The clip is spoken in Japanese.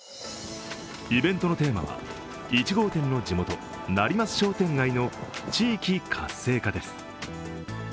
イベントのテーマは１号店の地元成増商店街の地域活性化です。